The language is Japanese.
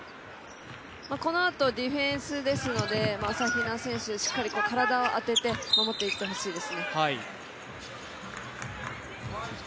このあとディフェンスですので、朝比奈選手、しっかりと体を当てて守っていってほしいですね。